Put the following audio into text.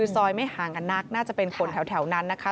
ซอยไม่ห่างกันนักน่าจะเป็นคนแถวนั้นนะคะ